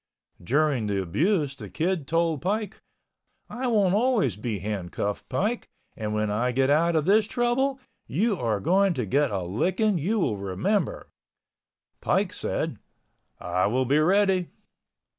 During the abuse the Kid told Pike, "I won't always be handcuffed, Pike, and when I get out of this trouble, you are going to get a licking you will remember." Pike said, "I will be ready."